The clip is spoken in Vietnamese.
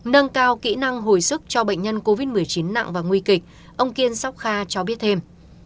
nâng cao kỹ năng hồi sức cho bệnh nhân covid một mươi chín nặng và nguy kịch ông kiên sokha cho biết thêm